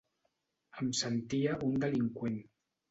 Em sentia un delinqüent.